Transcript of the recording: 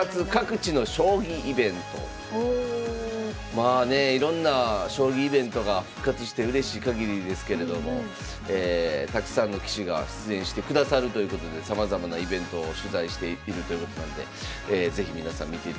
まあねいろんな将棋イベントが復活してうれしいかぎりですけれどもたくさんの棋士が出演してくださるということでさまざまなイベントを取材しているということなんで是非皆さん見ていただきたいと思います。